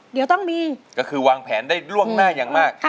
เดี๋ยวต้องมีก็คือวางแผนได้ล่วงหน้าอย่างมาก